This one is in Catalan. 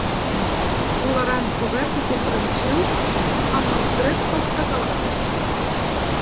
Tolerant, obert i comprensiu amb els drets dels catalans.